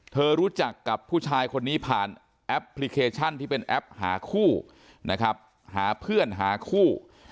รู้จักกับผู้ชายคนนี้ผ่านแอปพลิเคชันที่เป็นแอปหาคู่นะครับหาเพื่อนหาคู่